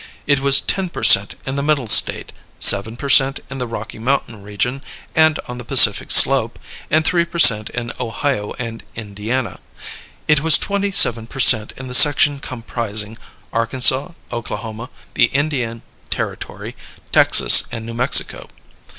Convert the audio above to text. It was ten per cent in the Middle States, seven per cent in the Rocky Mountain region and on the Pacific Slope, and three per cent in Ohio and Indiana. It was twenty seven per cent in the section comprising Arkansas, Oklahoma, the Indian Territory, Texas, and New Mexico.